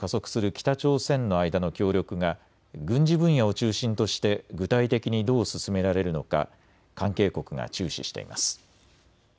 北朝鮮の間の協力が軍事分野を中心として具体的にどう進められるのか関係国が注視しています。